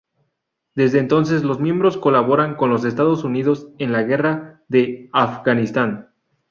Desde entonces, los miembros colaboraron con los Estados Unidos en la guerra de Afganistán.